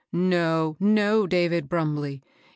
* No, no, David Brumbley